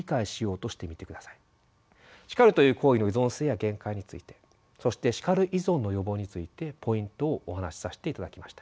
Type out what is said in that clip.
叱るという行為の依存性や限界についてそして「叱る依存」の予防についてポイントをお話しさせていただきました。